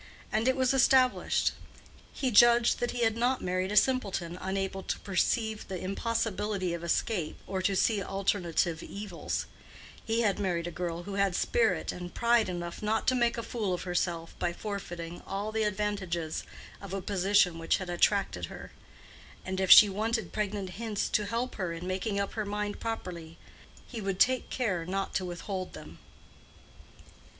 And it was established. He judged that he had not married a simpleton unable to perceive the impossibility of escape, or to see alternative evils: he had married a girl who had spirit and pride enough not to make a fool of herself by forfeiting all the advantages of a position which had attracted her; and if she wanted pregnant hints to help her in making up her mind properly he would take care not to withhold them.